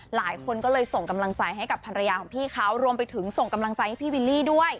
หลายคนก็เลยส่งกำลังใจให้กับภรรยาของพี่เขารวมไปถึงส่งกำลังใจให้พี่วิลลี่ด้วย